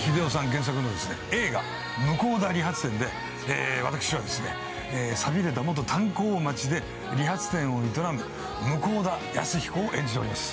原作の映画「向田理髪店」で私は寂れた元炭鉱町で理髪店を営む向田を演じています。